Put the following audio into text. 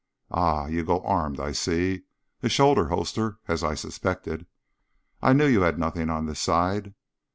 "Ah! You go armed, I see. A shoulder holster, as I suspected. I knew you had nothing on this side."